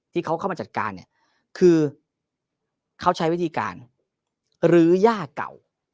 ที่เขาเข้ามาจัดการเนี่ยคือเขาใช้วิธีการลื้อย่าเก่า